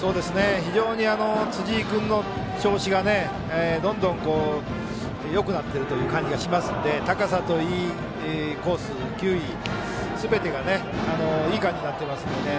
非常に辻井君の調子がどんどんよくなっているという感じがしますので高さといい、コース、球威すべてがいい感じになっていますので。